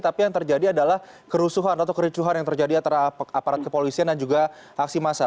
tapi yang terjadi adalah kerusuhan atau kericuhan yang terjadi antara aparat kepolisian dan juga aksi massa